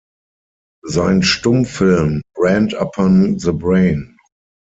Sein Stummfilm "Brand Upon The Brain!